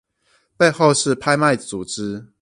背後是拍賣組織